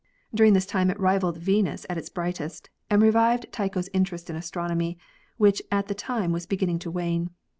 During this time it rivaled Venus at its brightest and revived Tycho's interest in astronomy, which at the time was beginning to wane.